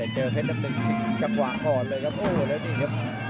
จังหวะถอดไปเลยครับ